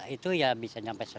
itu ya bisa sampai seratus